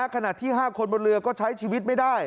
ขณะที่๕คนบนเรือก็ใช้ชีวิตไม่ได้